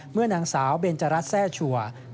เมื่อนางสาวเบนจรัสแทร่ชัวร์